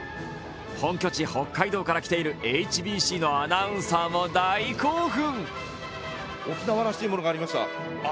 本拠地・北海道から来ているＨＢＣのアナウンサーも大興奮。